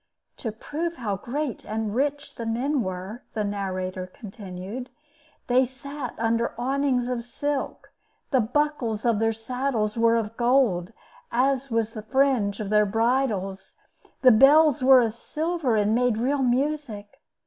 "To prove how great and rich the men were," the narrator continued, "they sat under awnings of silk; the buckles of their saddles were of gold, as was the fringe of their bridles; the bells were of silver, and made real music.